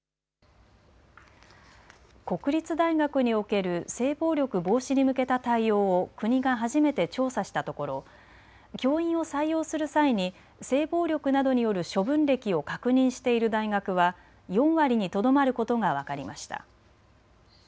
国立大学における性暴力防止に向けた対応を国が初めて調査したところ、教員を採用する際に性暴力などによる処分歴を確認している大学は４割にとどまることが分かりました。